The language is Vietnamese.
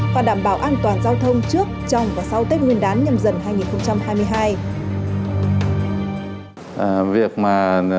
và đảm bảo an toàn giao thông trước trong và sau tết nguyên đán nhâm dần hai nghìn hai mươi hai